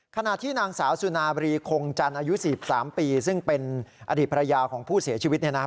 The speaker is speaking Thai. ขณะที่นางสาวสุนาบรีคงจันทร์อายุ๔๓ปีซึ่งเป็นอดีตภรรยาของผู้เสียชีวิต